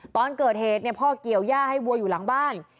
ตอนเกิดเหตุเนี่ยพ่อเกี่ยวย่าให้วัวอยู่หลังบ้าน